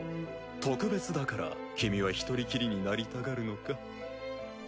特別だから君は一人きりになりたがるのか。